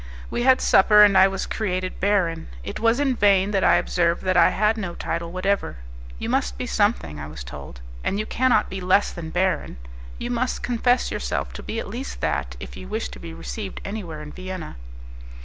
We had supper, and I was created baron. It was in vain that I observed that I had no title whatever: "You must be something," I was told, "and you cannot be less than baron. You must confess yourself to be at least that, if you wish to be received anywhere in Vienna."